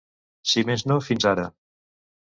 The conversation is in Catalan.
Si més no, fins ara.